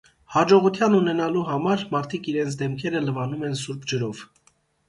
Հաջողության ունենալու համար մարդիկ իրենց դեմքերը լվանում են սուրբ ջրով։